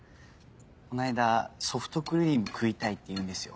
この間ソフトクリーム食いたいって言うんですよ。